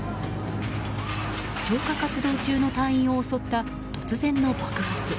消火活動中の隊員を襲った突然の爆発。